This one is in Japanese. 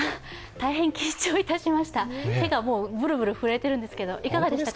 大変緊張いたしました、手がぶるぶる震えてるんですけど、いかがでしたか？